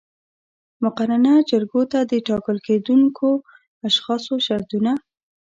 مقننه جرګو ته د ټاکل کېدونکو اشخاصو شرطونه